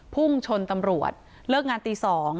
พุ่งชนตำรวจเลิกงานตี๒